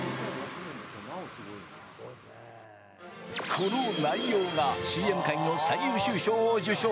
この内容がＣＭ界の最優秀賞を受賞！